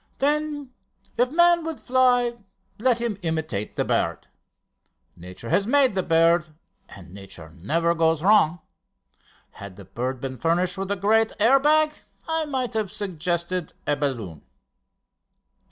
Then if man would fly let him imitate the bird. Nature has made the bird, and Nature never goes wrong. Had the bird been furnished with a great air bag I might have suggested a balloon."